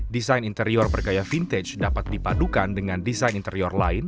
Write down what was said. desain interior bergaya vintage dapat dipadukan dengan desain interior lain